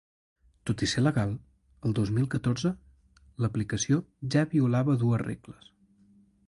Tot i ser legal el dos mil catorze, l’aplicació ja violava dues regles.